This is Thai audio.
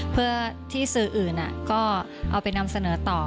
เพื่อที่สื่ออื่นก็เอาไปนำเสนอต่อ